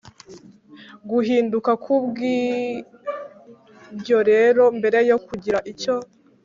guhinduka Ku bw ibyo rero mbere yo kugira icyo